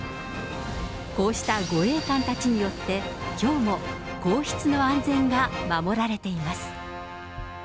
こうした護衛官たちによって、きょうも皇室の安全が守られています。